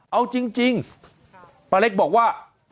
เอาจริงป้าเล็กบอกว่า